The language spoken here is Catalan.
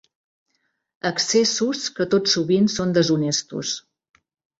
Excessos que tot sovint són deshonestos.